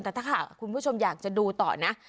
แต่ถ้าหากคุณผู้ชมอยากจะดูต่อนะ